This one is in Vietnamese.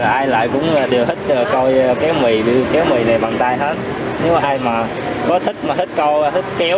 ai lại cũng đều thích coi kéo mì kéo mì này bằng tay hết nếu ai mà có thích mà thích coi thích kéo